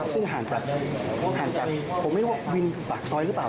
ซึ่งห่างจากห่างจากผมไม่รู้ว่าวินอยู่ปากซอยหรือเปล่า